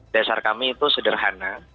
dasar kami itu sederhana